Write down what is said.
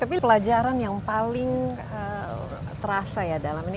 tapi pelajaran yang paling terasa ya dan yang paling menarik